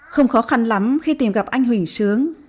không khó khăn lắm khi tìm gặp anh huỳnh sướng